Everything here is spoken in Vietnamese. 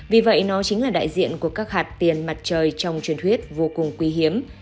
vì vậy nó chính là đại diện của các hạt tiền mặt trời trong truyền thuyết vô cùng quý hiếm